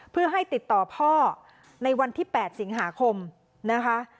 เพื่อให้ติดต่อพ่อในวันที่๘สิงหาคมนะคะ